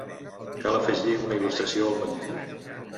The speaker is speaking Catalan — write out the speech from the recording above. Cal afegir una il·lustració al menú.